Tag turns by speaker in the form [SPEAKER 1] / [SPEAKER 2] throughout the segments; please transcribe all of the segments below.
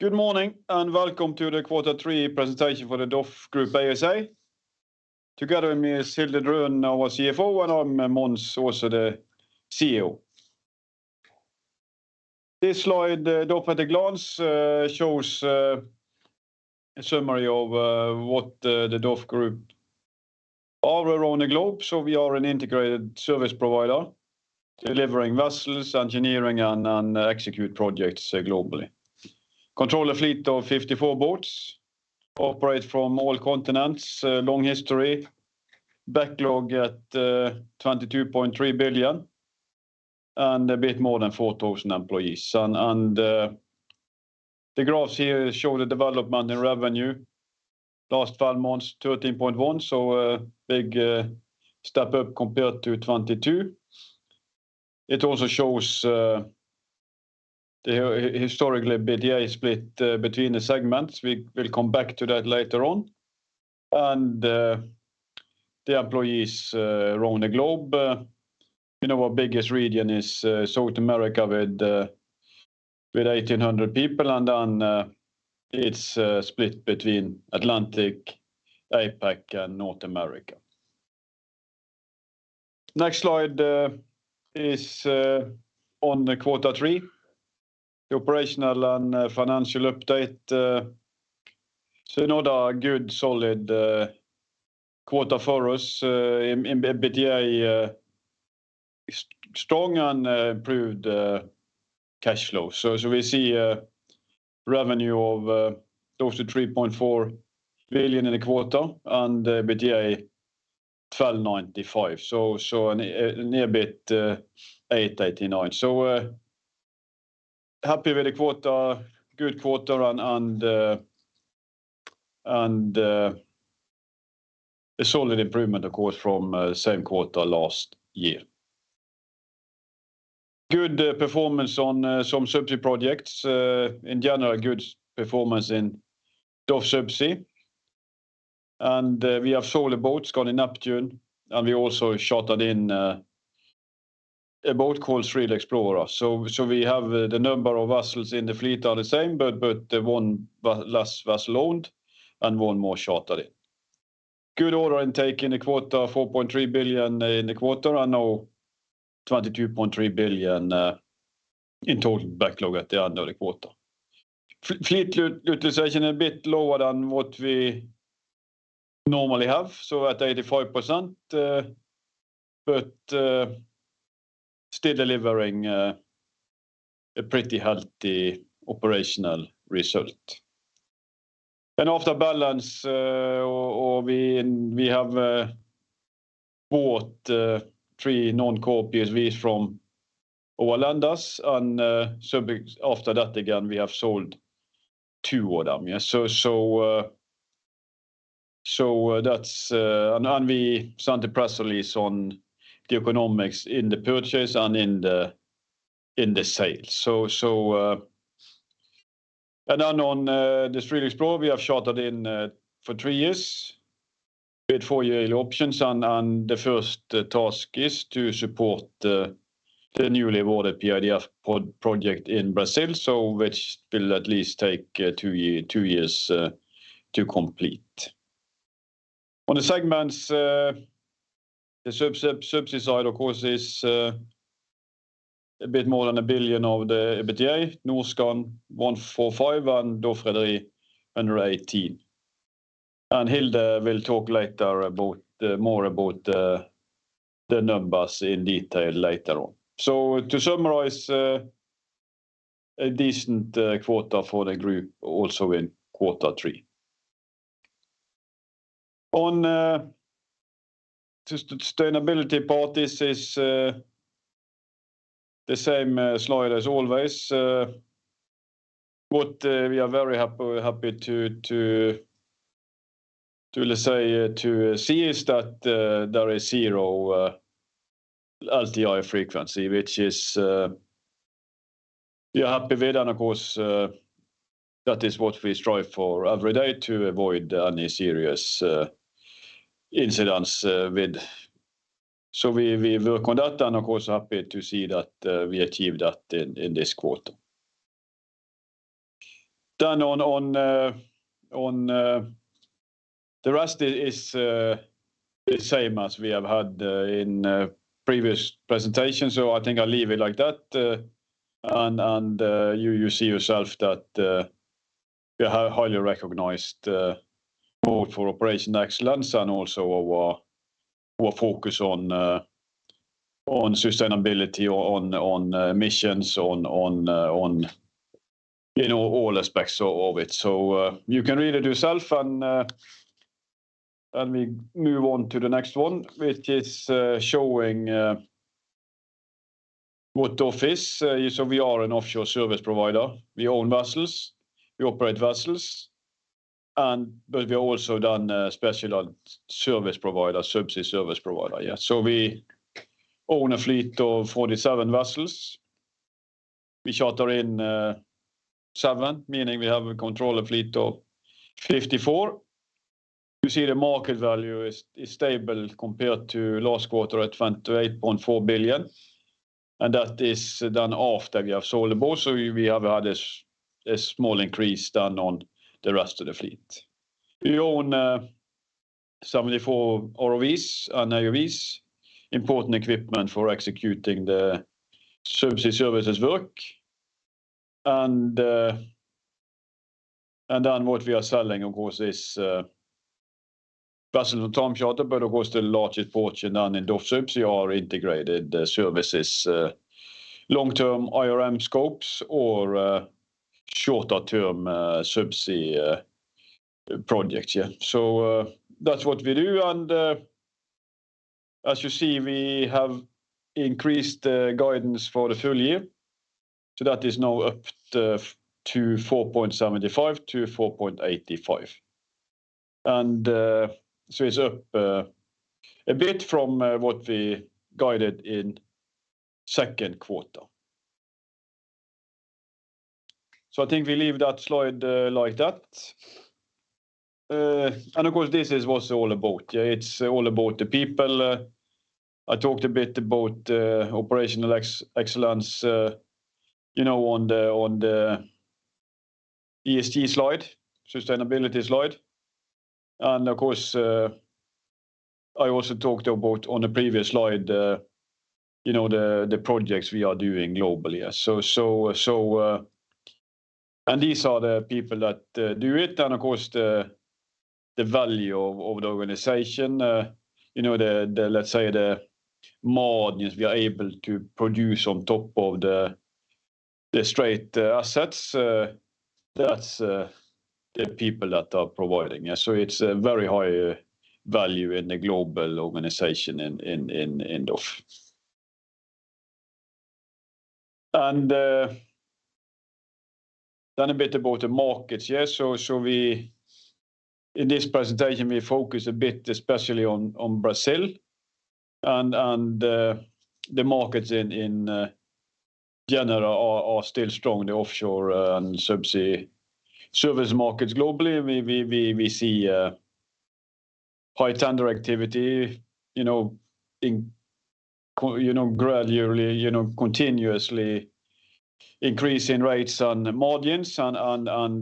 [SPEAKER 1] Good morning, and welcome to the Quarter Three presentation for the DOF Group ASA. Together with me is Hilde Drønen, our CFO, and I'm Mons, also the CEO. This slide, DOF at a glance, shows a summary of what the DOF Group all around the globe. So we are an integrated service provider, delivering vessels, engineering, and execute projects globally. Control a fleet of 54 boats, operate from all continents, long history, backlog at 22.3 billion, and a bit more than 4,000 employees. The graphs here show the development in revenue. Last five months, 13.1 billion, so big step up compared to 2022. It also shows the historically EBITDA split between the segments. We will come back to that later on. The employees around the globe, you know, our biggest region is South America, with 1,800 people, and then it's split between Atlantic, APAC, and North America. Next slide is on quarter three, the operational and financial update. So another good, solid quarter for us in EBITDA, strong and improved cash flow. So we see a revenue of close to 3.4 billion in the quarter, and EBITDA 1,295. So and EBIT 889. So happy with the quarter, good quarter, and a solid improvement, of course, from same quarter last year. Good performance on some subsea projects. In general, good performance in DOF Subsea. We have sold a boat, Skandi Neptune, and we also chartered in a boat called Skandi Explorer. So we have the number of vessels in the fleet are the same, but one less vessel owned and one more chartered in. Good order intake in the quarter, 4.3 billion in the quarter, and now 22.3 billion in total backlog at the end of the quarter. Fleet utilization a bit lower than what we normally have, so at 85%, but still delivering a pretty healthy operational result. And after balance, or we have bought three non-core PSVs from our lenders, and so after that, again, we have sold two of them. Yeah, so that's... We sent the press release on the economics in the purchase and in the sale. And then on the Skandi Explorerr, we have chartered in for 3-years, with 4-year options, and the first task is to support the newly awarded PIDF project in Brazil, so which will at least take two years to complete. On the segments, the subsea, subsea side, of course, is a bit more than 1 billion of the EBITDA. Norskan, 145, and DOF Rederi, under 18. And Hilde will talk later about more about the numbers in detail later on. So to summarize, a decent quarter for the group, also in quarter 3. On the sustainability part, this is the same slide as always. We are very happy, we're happy to say to see is that there is zero LTI frequency, which is we are happy with. And, of course, that is what we strive for every day, to avoid any serious incidents with. So we work on that, and, of course, happy to see that we achieved that in this quarter. Then on the rest is the same as we have had in previous presentations, so I think I'll leave it like that. And you see yourself that we are highly recognized both for operation excellence and also our focus on sustainability, on emissions, on in all aspects of it. You can read it yourself, and we move on to the next one, which is showing what DOF is. So we are an offshore service provider. We own vessels, we operate vessels, and but we are also then a specialized service provider, subsea service provider, yeah. So we own a fleet of 47 vessels. We charter in seven, meaning we have a controlled fleet of 54. You see the market value is stable compared to last quarter at 28.4 billion, and that is done after we have sold the boat. So we have had a small increase done on the rest of the fleet. We own 74 ROVs and AUVs, important equipment for executing the subsea services work. And then what we are selling, of course, is vessel time charter, but of course, the largest portion done in subsea are integrated services, long-term IRM scopes or shorter term subsea projects. Yeah. So that's what we do, and as you see, we have increased the guidance for the full year. So that is now up to $4.75-$4.85. And so it's up a bit from what we guided in second quarter. So I think we leave that slide like that. And of course, this is what's all about. Yeah, it's all about the people. I talked a bit about operational excellence, you know, on the ESG slide, sustainability slide. Of course, I also talked about on the previous slide, you know, the projects we are doing globally. And these are the people that do it, and of course, the value of the organization, you know, let's say, the margins we are able to produce on top of the straight assets, that's the people that are providing. Yeah, so it's a very high value in the global organization in offshore. And then a bit about the markets. Yeah, so in this presentation, we focus a bit, especially on Brazil and the markets in general are still strong. The offshore and subsea service markets globally, we see a high tender activity, you know, in you know, gradually, you know, continuously increasing rates on the margins and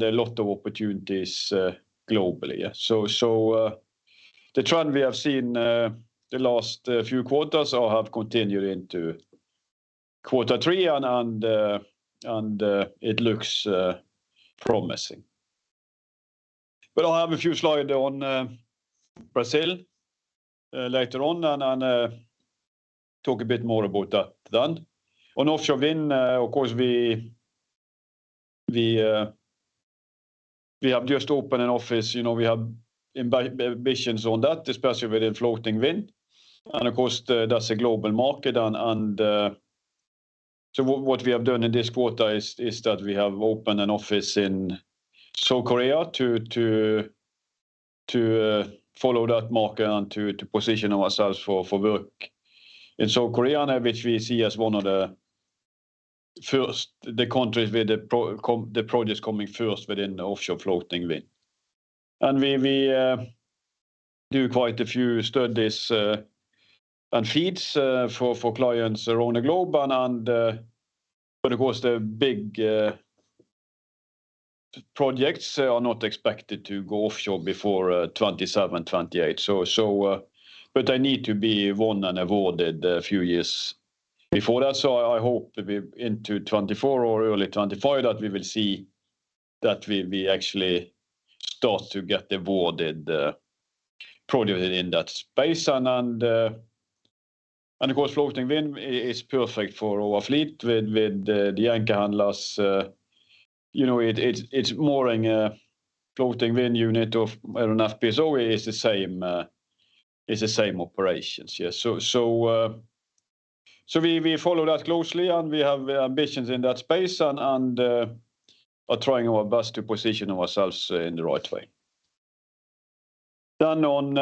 [SPEAKER 1] a lot of opportunities globally. Yeah, so, the trend we have seen the last few quarters have continued into quarter three, and it looks promising. But I'll have a few slide on Brazil later on and talk a bit more about that then. On offshore wind, of course, we have just opened an office. You know, we have ambitions on that, especially with the floating wind. Of course, that's a global market, so what we have done in this quarter is that we have opened an office in South Korea to follow that market and to position ourselves for work in South Korea, which we see as one of the first countries with the projects coming first within the offshore floating wind. We do quite a few studies and FEEDs for clients around the globe, but of course, the big projects are not expected to go offshore before 2027, 2028. So, but they need to be won and awarded a few years before that. So I hope to be into 2024 or early 2025, that we will see that we, we actually start to get awarded, projects in that space. And, and, and of course, floating wind is perfect for our fleet with, with the, the anchor handlers, you know, it, it's, it's more an, floating wind unit of FPSO is the same, is the same operations. Yeah. So, so, so we, we follow that closely, and we have ambitions in that space and, and, are trying our best to position ourselves in the right way. Then on,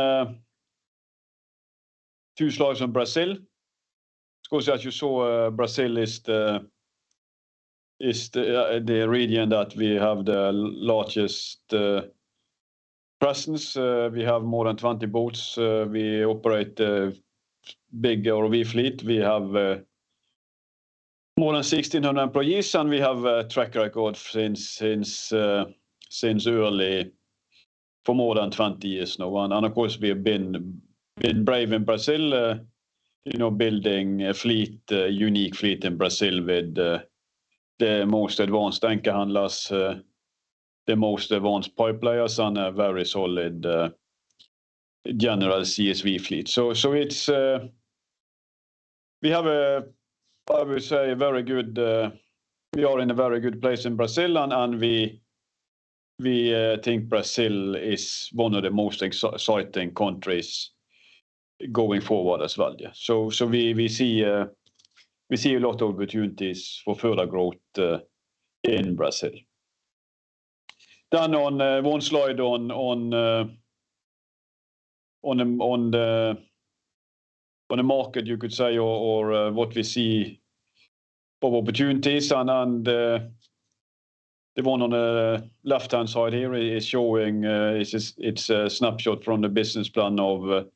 [SPEAKER 1] two slides on Brazil, because as you saw, Brazil is the, is the, the region that we have the largest, presence. We have more than 20 boats. We operate a big ROV fleet. We have more than 1,600 employees, and we have a track record since early for more than 20 years now. And of course, we have been brave in Brazil, you know, building a fleet, a unique fleet in Brazil with the most advanced anchor handlers, the most advanced pipe layers, and a very solid general CSV fleet. So it's we have a, I would say, very good, we are in a very good place in Brazil, and we think Brazil is one of the most exciting countries going forward as well. Yeah, so we see a lot of opportunities for further growth in Brazil. Then on one slide on, on, on the-... On the market, you could say, or, or, what we see of opportunities. And, and, the one on the left-hand side here is showing, it's a snapshot from the business plan of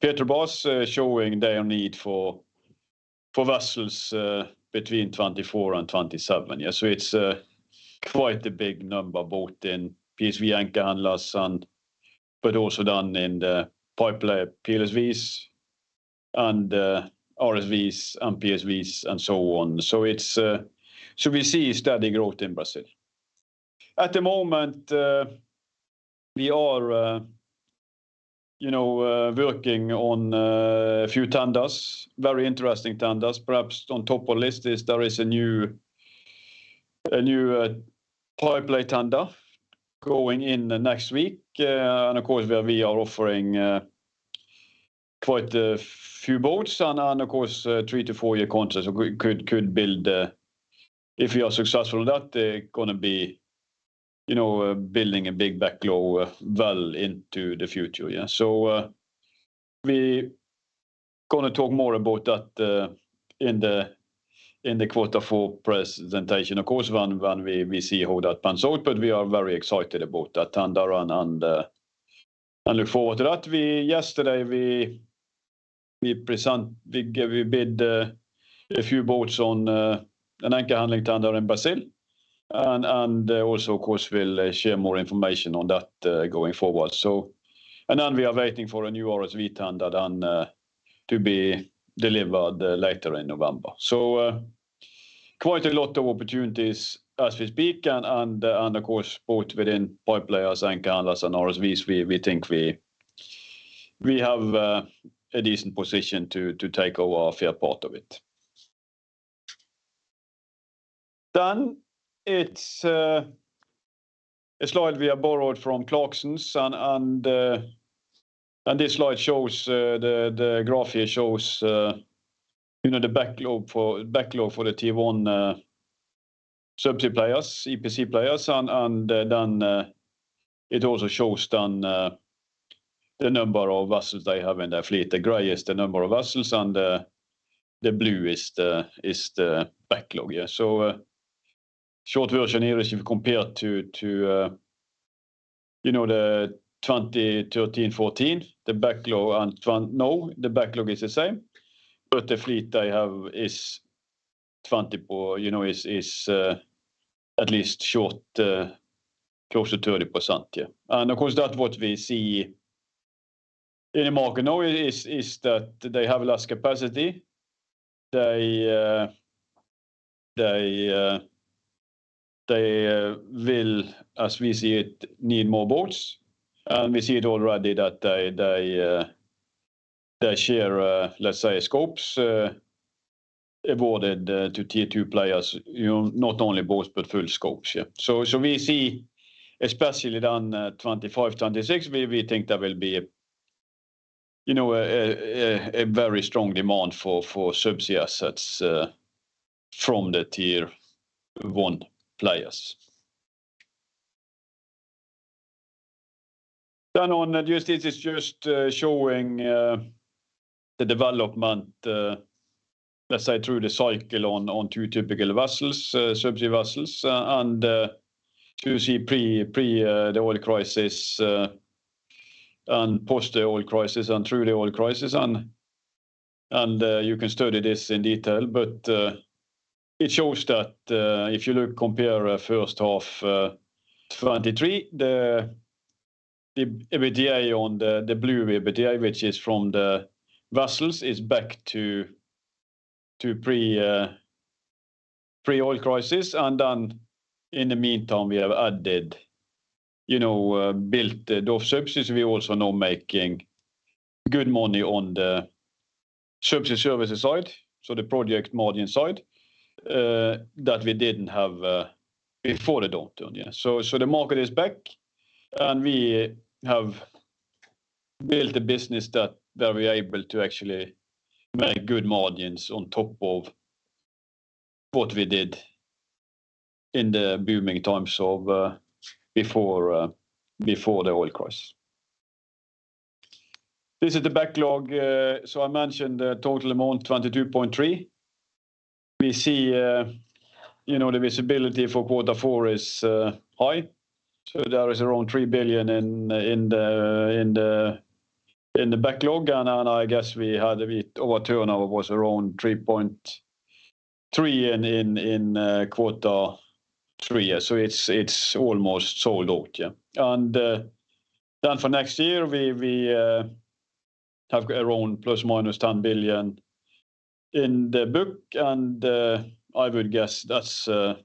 [SPEAKER 1] Petrobras, showing their need for vessels between 2024 and 2027. Yeah, so it's quite a big number, both in PSV anchor handlers and-- but also then in the pipeline PSVs, and RSVs, and PSVs, and so on. So it's -- So we see steady growth in Brazil. At the moment, we are, you know, working on a few tenders, very interesting tenders. Perhaps on top of list is a new pipeline tender going in the next week. And of course, where we are offering quite a few boats and, of course, three- to four-year contracts. So could build, if we are successful, that they're gonna be, you know, building a big backlog well into the future. Yeah, so we gonna talk more about that in the quarter four presentation. Of course, when we see how that pans out, but we are very excited about that tender and look forward to that. Yesterday, we bid a few boats on an anchor handling tender in Brazil. And also, of course, we'll share more information on that going forward. And then we are waiting for a new RSV tender to be delivered later in November. So, quite a lot of opportunities as we speak, and of course, both within pipe layers, anchor handlers and RSVs, we think we have a decent position to take our fair part of it. Then it's a slide we have borrowed from Clarksons, and this slide shows the graph here shows, you know, the backlog for the tier one subsea players, EPC players, and then it also shows the number of vessels they have in their fleet. The gray is the number of vessels, and the blue is the backlog. Yeah, so, short version here is if you compare to, to, you know, the 2013, 2014, the backlog and now, the backlog is the same, but the fleet they have is 20 per-- you know, is, is, at least short, close to 30%. Yeah. Of course, what we see in the market now is, is that they have less capacity. They, they, they will, as we see it, need more boats. We see it already that they, they share, let's say, scopes, awarded to tier two players, you know, not only boats, but full scopes. Yeah. We see, especially then, 2025, 2026, we, we think there will be, you know, a, a, a very strong demand for, for subsea assets, from the tier one players. Then on this, this is just showing the development, let's say, through the cycle on, on 2 typical vessels, subsea vessels, and to see pre the oil crisis, and post the oil crisis, and through the oil crisis, and you can study this in detail. But it shows that, if you look, compare first half 2023, the EBITDA on the blue EBITDA, which is from the vessels, is back to pre-oil crisis. And then, in the meantime, we have added, you know, built the subsea services. We also now making good money on the subsea services side, so the project margin side, that we didn't have before the downturn. Yeah. So the market is back, and we have built a business that we are able to actually make good margins on top of what we did in the booming times of before the oil crisis. This is the backlog. So I mentioned the total amount, 22.3. We see, you know, the visibility for quarter four is high, so there is around 3 billion in the backlog. And I guess we had a bit—our turnover was around 3.3 billion in quarter three. Yeah, so it's almost sold out, yeah. And then for next year, we have around ±10 billion in the book, and I would guess that's around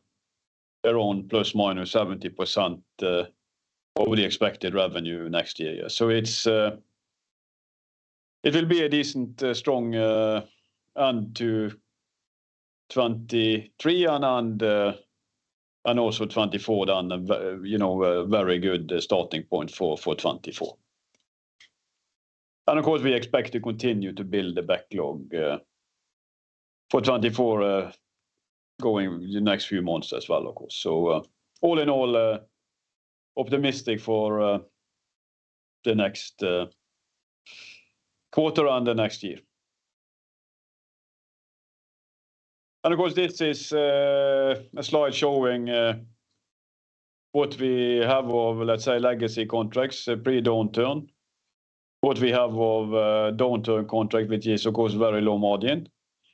[SPEAKER 1] ±70% of the expected revenue next year. Yeah, so it will be a decent strong end to 2023 and also 2024, then you know, a very good starting point for 2024. And of course, we expect to continue to build the backlog for 2024 going the next few months as well, of course. So all in all, optimistic for the next quarter and the next year. And of course, this is a slide showing what we have of, let's say, legacy contracts, pre-downturn. What we have of downturn contract, which is, of course, very low margin,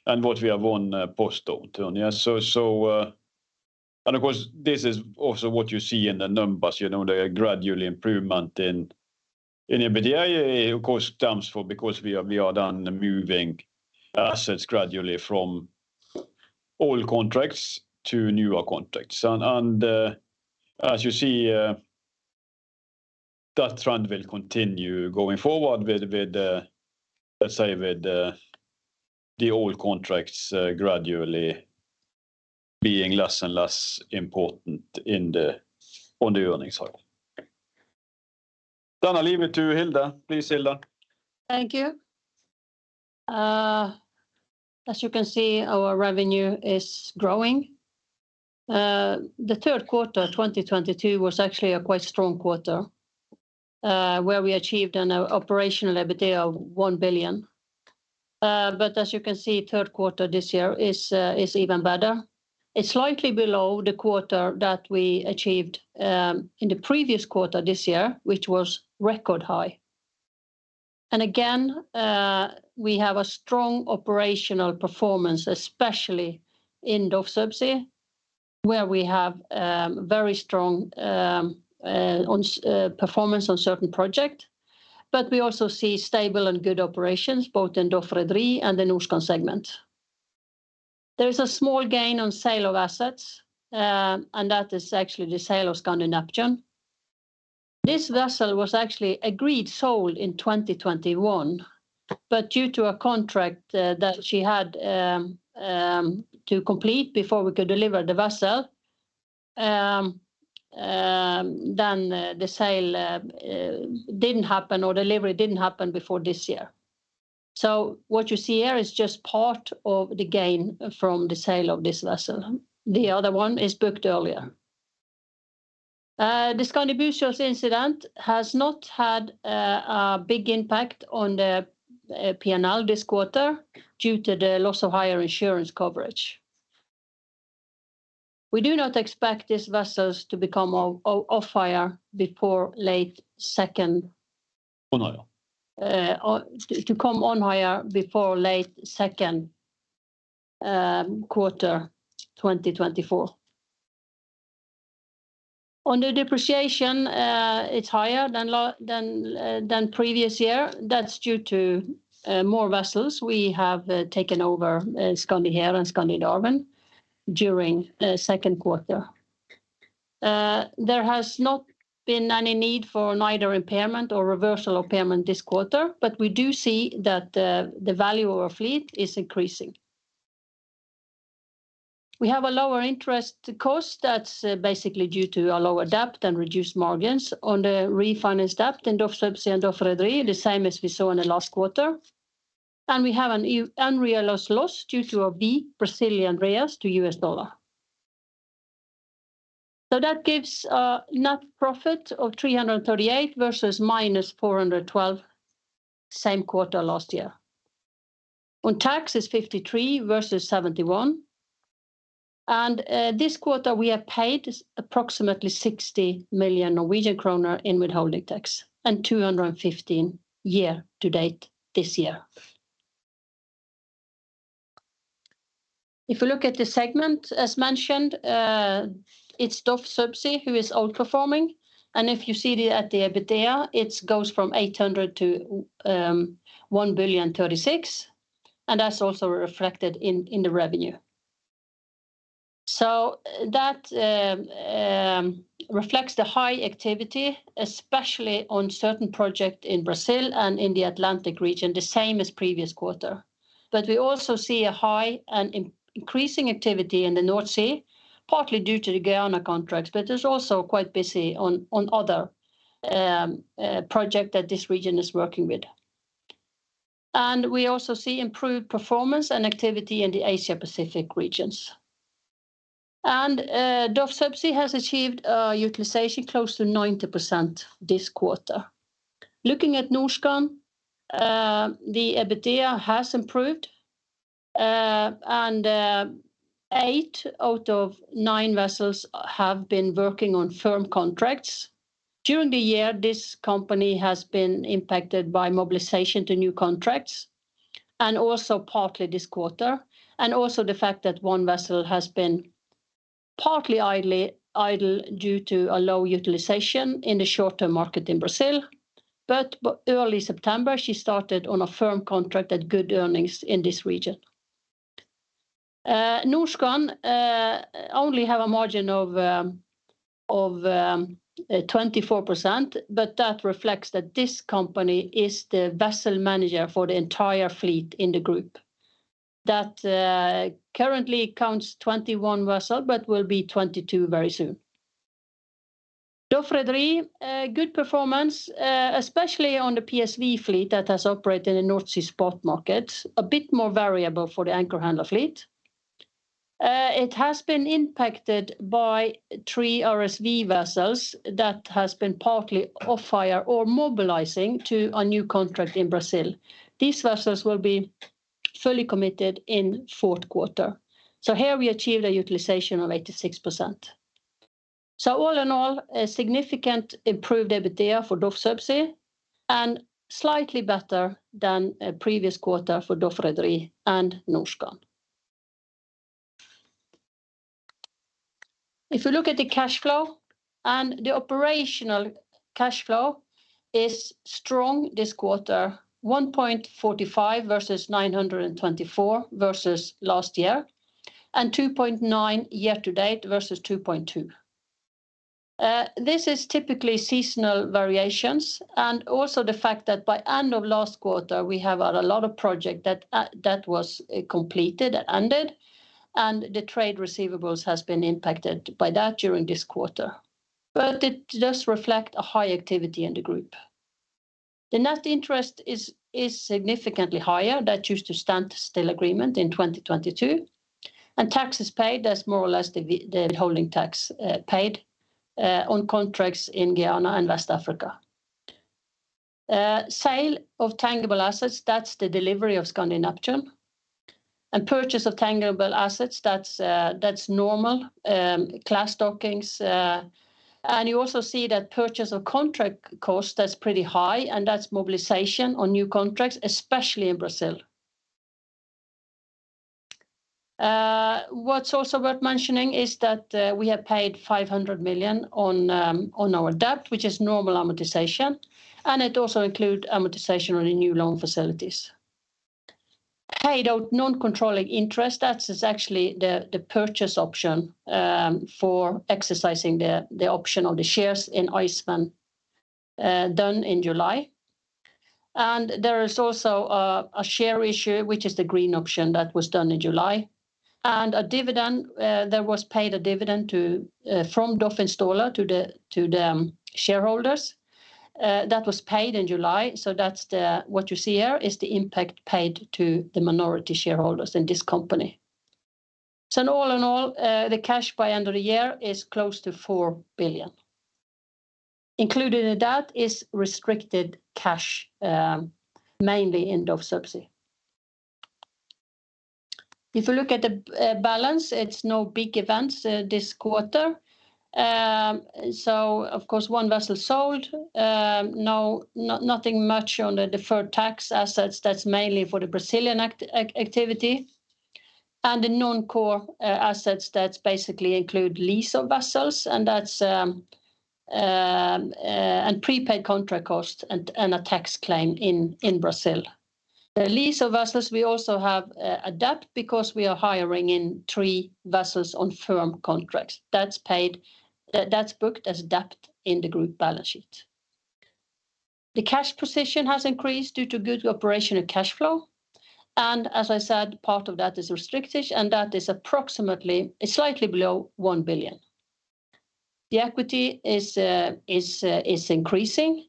[SPEAKER 1] and what we have on post-downturn. Yeah, so and of course, this is also what you see in the numbers. You know, they are gradually improvement in EBITDA, of course, terms for because we are done moving assets gradually from old contracts to newer contracts. And as you see, that trend will continue going forward with let's say, with the old contracts gradually being less and less important in the- on the earnings side. Then I leave it to you, Hilde. Please, Hilde.
[SPEAKER 2] Thank you. As you can see, our revenue is growing. The third quarter of 2022 was actually a quite strong quarter, where we achieved an operational EBITDA of 1 billion. But as you can see, third quarter this year is even better. It's slightly below the quarter that we achieved in the previous quarter this year, which was record high. And again, we have a strong operational performance, especially in DOF Subsea, where we have very strong performance on certain project. But we also see stable and good operations, both in DOF Rederi and the Norskan segment. There is a small gain on sale of assets, and that is actually the sale of Skandi Neptune. This vessel was actually agreed sold in 2021, but due to a contract that she had to complete before we could deliver the vessel, then the sale didn't happen or delivery didn't happen before this year. So what you see here is just part of the gain from the sale of this vessel. The other one is booked earlier. The Skandi Búzios incident has not had a big impact on the P&L this quarter, due to the loss of higher insurance coverage. We do not expect these vessels to become off hire before late second-
[SPEAKER 1] On hire.
[SPEAKER 2] To come on hire before late second quarter 2024. On the depreciation, it's higher than previous year. That's due to more vessels. We have taken over Skandi Hera and Skandi Darwin during second quarter. There has not been any need for neither impairment or reversal of impairment this quarter, but we do see that the value of our fleet is increasing. We have a lower interest cost that's basically due to a lower debt and reduced margins on the refinance debt in DOF Subsea and DOF Rederi, the same as we saw in the last quarter. And we have an unrealized loss due to a weak Brazilian reais to U.S. dollar. So that gives a net profit of 338 versus -412, same quarter last year. On tax is 53 versus 71, and this quarter, we have paid approximately 60 million Norwegian kroner in withholding tax, and 215 year to date this year. If you look at the segment, as mentioned, it's DOF Subsea who is outperforming, and if you see at the EBITDA, it goes from 800 million to 1,036 million, and that's also reflected in, in the revenue. So that reflects the high activity, especially on certain project in Brazil and in the Atlantic region, the same as previous quarter. But we also see a high and increasing activity in the North Sea, partly due to the Guyana contracts, but it is also quite busy on, on other project that this region is working with. And we also see improved performance and activity in the Asia Pacific regions. DOF Subsea has achieved utilization close to 90% this quarter. Looking at Norskan, the EBITDA has improved, and eight out of nine vessels have been working on firm contracts. During the year, this company has been impacted by mobilization to new contracts, and also partly this quarter, and also the fact that one vessel has been partly idle due to a low utilization in the short-term market in Brazil. But early September, she started on a firm contract at good earnings in this region. Norskan only have a margin of 24%, but that reflects that this company is the vessel manager for the entire fleet in the group. That currently counts 21 vessels, but will be 22 very soon. DOF Rederi, a good performance, especially on the PSV fleet that has operated in North Sea spot market. A bit more variable for the anchor handler fleet. It has been impacted by three RSV vessels that has been partly off hire or mobilizing to a new contract in Brazil. These vessels will be fully committed in fourth quarter. So here we achieved a utilization of 86%. So all in all, a significant improved EBITDA for DOF Subsea and slightly better than previous quarter for DOF Rederi and Norskan. If you look at the cash flow and the operational cash flow is strong this quarter, 1.45 versus 924, versus last year, and 2.9 year to date versus 2.2. This is typically seasonal variations and also the fact that by end of last quarter, we have a lot of project that that was completed and ended, and the trade receivables has been impacted by that during this quarter. But it does reflect a high activity in the group. The net interest is significantly higher. That used to standstill agreement in 2022, and taxes paid as more or less the withholding tax paid on contracts in Guyana and West Africa. Sale of tangible assets, that's the delivery of Skandi Neptune. And purchase of tangible assets, that's normal class dockings, and you also see that purchase of contract cost, that's pretty high, and that's mobilization on new contracts, especially in Brazil. What's also worth mentioning is that we have paid 500 million on our debt, which is normal amortization, and it also include amortization on the new loan facilities. Paid out non-controlling interest, that is actually the purchase option for exercising the option of the shares in Iceman done in July. And there is also a share issue, which is the green option that was done in July, and a dividend, there was paid a dividend to from DOF Installer to the shareholders. That was paid in July, so that's what you see here, is the impact paid to the minority shareholders in this company. So in all, the cash by end of the year is close to 4 billion. Included in that is restricted cash, mainly in DOF Subsea. If you look at the balance, it's no big events this quarter. So of course, 1 vessel sold, nothing much on the deferred tax assets. That's mainly for the Brazilian activity. And the non-core assets, that's basically include lease of vessels, and that's and prepaid contract costs and a tax claim in Brazil. The lease of vessels, we also have a debt because we are hiring in three vessels on firm contracts. That's booked as debt in the group balance sheet. The cash position has increased due to good operational cash flow, and as I said, part of that is restricted, and that is approximately, slightly below 1 billion. The equity is increasing,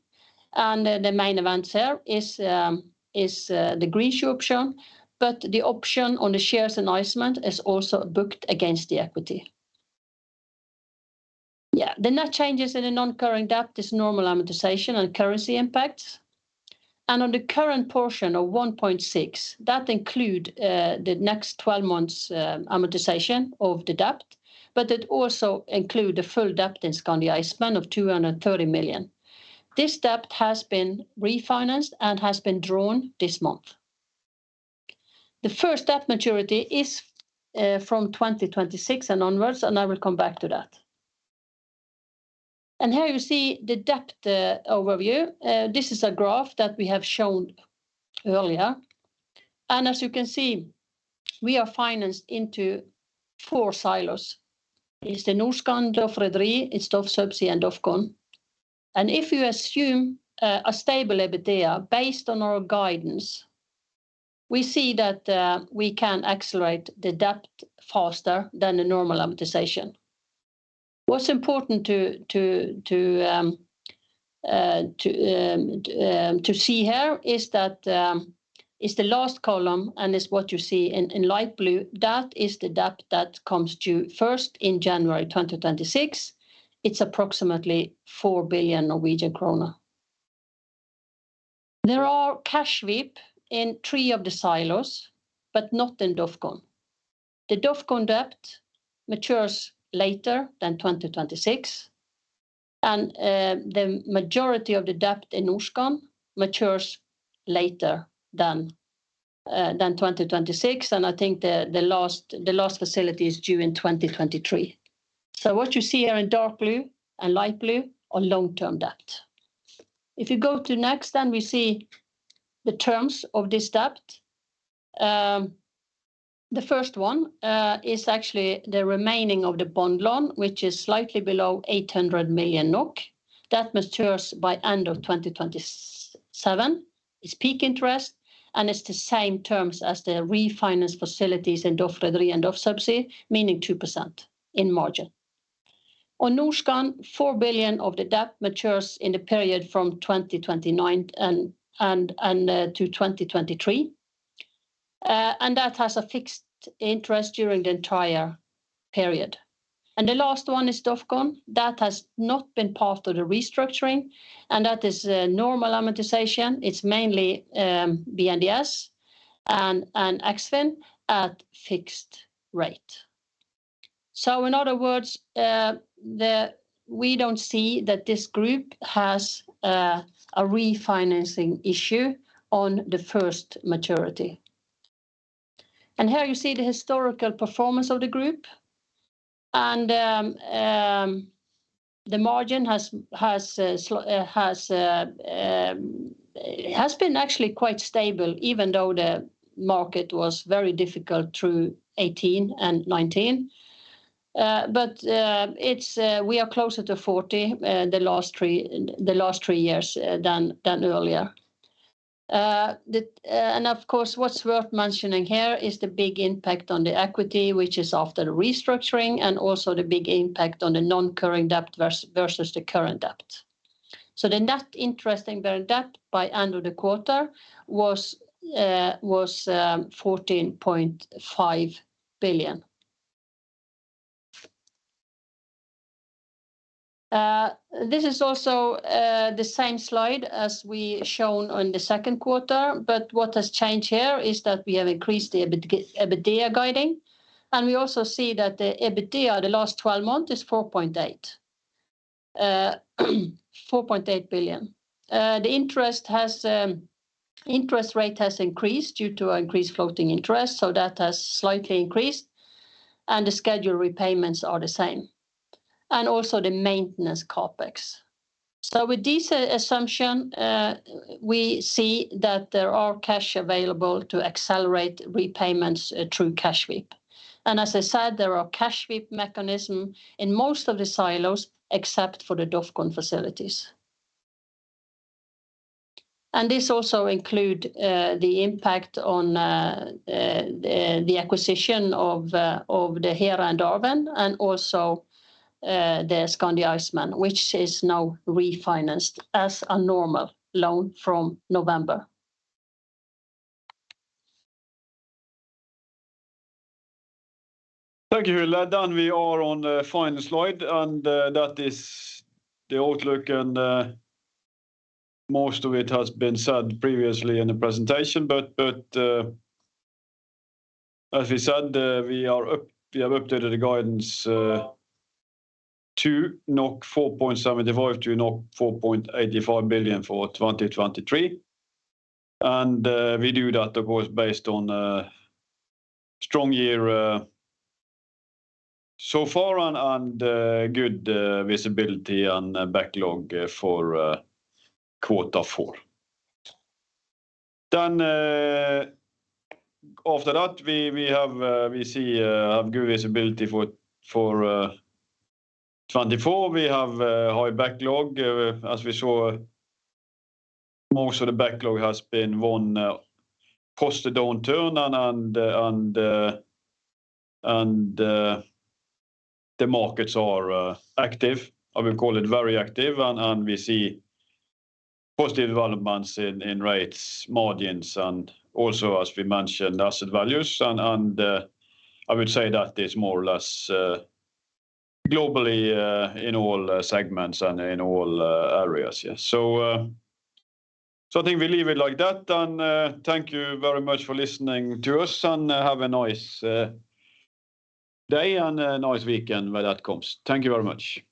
[SPEAKER 2] and the main event here is the Green Shoe option, but the option on the shares announcement is also booked against the equity. Yeah, the net changes in the non-current debt is normal amortization and currency impacts. On the current portion of 1.6 billion, that include the next twelve months amortization of the debt, but it also include the full debt in Skandi Iceman of 230 million. This debt has been refinanced and has been drawn this month. The first debt maturity is from 2026 and onwards, and I will come back to that. Here you see the debt overview. This is a graph that we have shown earlier, and as you can see, we are financed into four silos. It's the Norskan, DOF Rederi, it's DOF Subsea, and DOF. And if you assume a stable EBITDA based on our guidance, we see that we can accelerate the debt faster than the normal amortization. What's important to see here is that is the last column, and it's what you see in light blue. That is the debt that comes due first in January 2026. It's approximately 4 billion Norwegian krone. There are cash sweep in three of the silos, but not in DOF. The DOF debt matures later than 2026, and the majority of the debt in Norskan matures later than 2026, and I think the last facility is due in 2023. So what you see here in dark blue and light blue are long-term debt. If you go to next, then we see the terms of this debt. The first one is actually the remaining of the bond loan, which is slightly below 800 million NOK. That matures by end of 2026. 7% is peak interest, and it's the same terms as the refinance facilities in DOF and DOF Subsea, meaning 2% in margin. On Norskan, 4 billion of the debt matures in the period from 2029 to 2023. And that has a fixed interest during the entire period. And the last one is DOF, that has not been part of the restructuring, and that is a normal amortization. It's mainly BNDES and Eksfin at fixed rate. So in other words, we don't see that this group has a refinancing issue on the first maturity. Here you see the historical performance of the group, and the margin has been actually quite stable, even though the market was very difficult through 2018 and 2019. But it's we are closer to 40 the last three years than earlier. And of course, what's worth mentioning here is the big impact on the equity, which is after the restructuring, and also the big impact on the non-current debt versus the current debt. So the net interest and net debt by end of the quarter was 14.5 billion. This is also the same slide as we showed on the second quarter, but what has changed here is that we have increased the EBITDA guidance, and we also see that the EBITDA, the last 12 months, is 4.8 billion. The interest rate has increased due to increased floating interest, so that has slightly increased, and the scheduled repayments are the same, and also the maintenance CapEx. So with this assumption, we see that there is cash available to accelerate repayments through cash sweep. And as I said, there is cash sweep mechanism in most of the silos, except for the DOF facilities. This also include the impact on the acquisition of the Hera and Darwin, and also the Skandi Iceman, which is now refinanced as a normal loan from November.
[SPEAKER 1] Thank you, Hilde. Then we are on the final slide, and that is the outlook, and most of it has been said previously in the presentation. But as we said, we have updated the guidance to 4.75 billion-4.85 billion NOK for 2023, and we do that, of course, based on strong year so far and good visibility and backlog for quarter four. Then after that, we have good visibility for 2024. We have high backlog as we saw, most of the backlog has been won post the downturn, and the markets are active. I will call it very active, and we see positive developments in rates, margins, and also, as we mentioned, asset values. I would say that is more or less globally in all segments and in all areas. Yeah, so I think we leave it like that, and thank you very much for listening to us, and have a nice day and a nice weekend when that comes. Thank you very much!